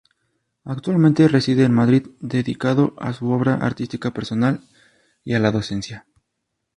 Actualmente reside en Madrid dedicado a su obra artística personal y a la docencia.